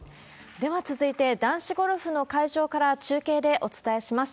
では続いて、男子ゴルフの会場から中継でお伝えします。